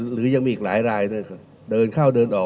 หรือยังมีอีกหลายรายเดินเข้าเดินออก